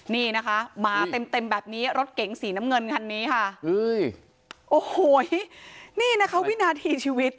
นี่นะคะมาเต็มเต็มแบบนี้รถเก๋งสีน้ำเงินคันนี้ค่ะโอ้โหนี่นะคะวินาทีชีวิต